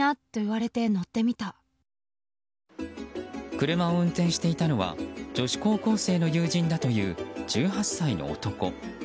車を運転していたのは女子高校生の友人だという１８歳の男。